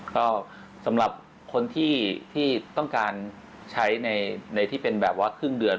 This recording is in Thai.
ก็สำหรับคนที่ต้องการใช้ในที่เป็นแบบว่าครึ่งเดือน